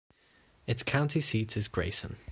Its county seat is Grayson.